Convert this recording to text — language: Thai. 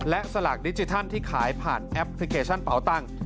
และสลากดิจิทัลที่ขายผ่านแอปพลิเคชันเป่าตังค์